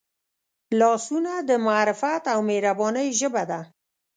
لاسونه د معرفت او مهربانۍ ژبه ده